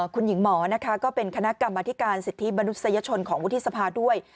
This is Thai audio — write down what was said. คุณหญิงหมอนะคะก็เป็นคณะกรรมธิการสิทธิมนุษยชนของวุฒิสภาด้วย